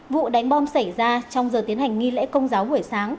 vụ đánh bom xảy ra trong giờ tiến hành nghi lễ công giáo buổi sáng